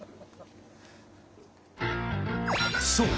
そう。